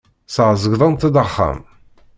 Ssazedgent-d axxam.